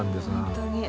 本当に。